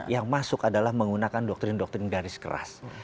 yang masuk adalah menggunakan doktrin doktrin garis keras